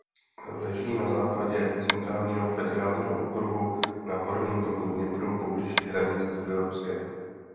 Leží na západě Centrálního federálního okruhu na horním toku Dněpru poblíž hranic s Běloruskem.